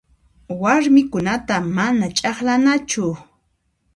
Warmikunataqa mana ch'aqlanachu.